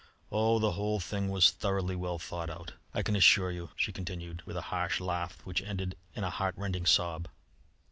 Oh! the whole thing was thoroughly well thought out, I can assure you!" she continued, with a harsh laugh which ended in a heartrending sob.